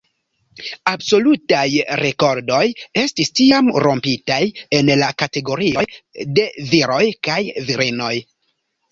Absolutaj rekordoj estis tiam rompitaj en la kategorioj de viroj kaj virinoj.